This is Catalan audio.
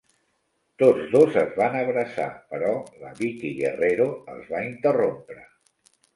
Tots dos es van abraçar, però la Vickie Guerrero els va interrompre.